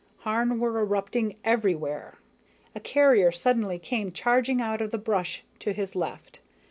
Harn were erupting everywhere. A carrier suddenly came charging out of the brush to his left.